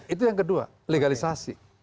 itu yang kedua legalisasi